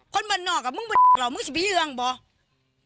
คนบ้านนอกอ่ะมึงเรามึงจะมีเรื่องบ่